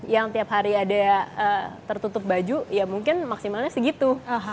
yang tiap hari ada tertutup baju ya mungkin maksimalnya segitu